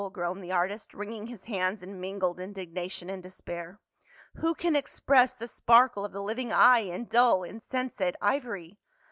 groaned the artist, wringing his hands in mingled indignation and despair. " Who can express the sparkle of the living eye in dull insensate ivory.